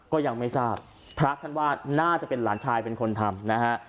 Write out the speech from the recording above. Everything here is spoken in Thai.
ก็ยังไม่ทราบพระท่านว่าน่าจะเป็นหลานชายเป็นคนทำนะฮะ